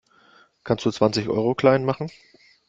Kannst du zwanzig Euro klein machen?